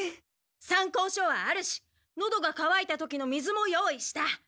参考書はあるしのどがかわいた時の水も用意した。